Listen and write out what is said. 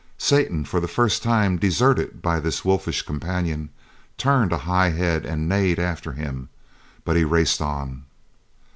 Satan, for the first time deserted by this wolfish companion, turned a high head and neighed after him, but he raced on.